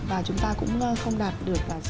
và chúng ta cũng không đạt được